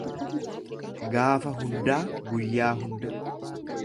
Gaafa hundaa guyyaa hunda.